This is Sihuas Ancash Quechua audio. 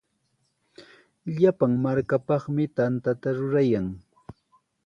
Llapan markapaqmi tantata rurayan.